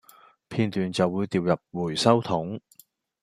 片段就會掉入回收桶